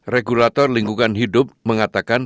regulator lingkungan hidup mengatakan